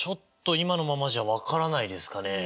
今のままじゃ分からないですかね。